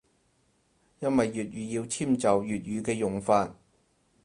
因為粵語要遷就粵語嘅用法